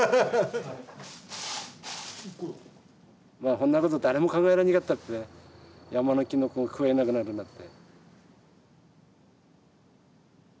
そんなこと誰も考えられなかったっぺ山のキノコ食えなくなるなんて。